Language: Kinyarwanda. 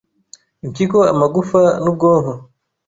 impyiko, amagufa, n’ubwonko.